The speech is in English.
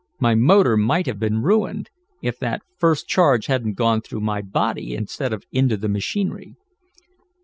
My motor might have been ruined, if that first charge hadn't gone through my body instead of into the machinery."